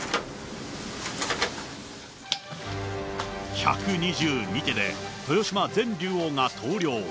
１２２手で豊島前竜王が投了。